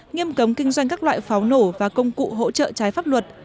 nghiêm cấm kinh doanh các loại pháo nổ và công cụ hỗ trợ trái pháp luật